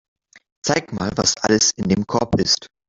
Zeig mal, was alles in dem Korb ist.